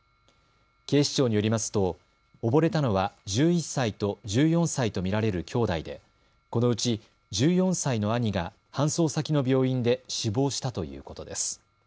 警視庁によりますと溺れたのは１１歳と１４歳と見られる兄弟でこのうち１４歳の兄が搬送先の病院で死亡したということです。